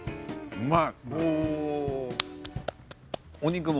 うまい。